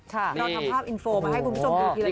เราทำภาพอินโฟมาให้คุณผู้ชมดูทีละ